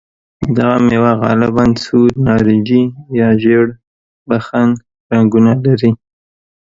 دغه مېوه غالباً سور، نارنجي یا ژېړ بخن رنګونه لري.